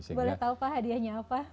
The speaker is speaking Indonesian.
boleh tahu pak hadiahnya apa